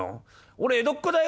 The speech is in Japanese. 俺江戸っ子だよ？